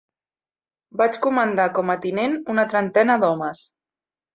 Vaig comandar, com a tinent, una trentena d'homes